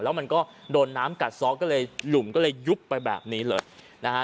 แล้วมันก็โดนน้ำกัดซ้อก็เลยหลุมก็เลยยุบไปแบบนี้เลยนะฮะ